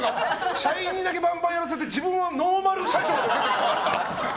社員にだけバンバンやらせて自分はノーマル社長で出てきたから。